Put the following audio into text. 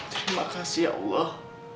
terima kasih ya allah